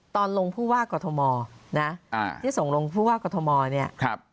ตอนลงผู้ว่ากอทมนะที่ส่งลงผู้ว่ากรทมเนี่ย